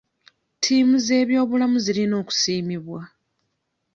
Ttiimu z'ebyobulamu zirina okusiimibwa.